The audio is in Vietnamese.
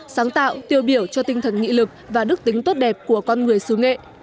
sáng tạo tiêu biểu cho tinh thần nghị lực và đức tính tốt đẹp của con người xứ nghệ